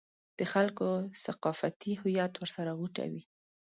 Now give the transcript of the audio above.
د خلکو ثقافتي هویت ورسره غوټه وي.